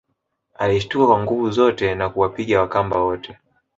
Alishtuka kwa nguvu zote na kuwapiga Wakamba wote